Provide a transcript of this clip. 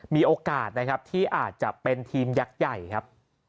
มีโอกาสนะครับที่อาจจะเป็นทีมยักษ์ใหญ่ครับ